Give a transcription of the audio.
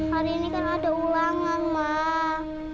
hari ini kan ada ulangan mah